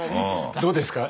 どうですか？